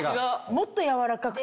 もっと柔らかくて。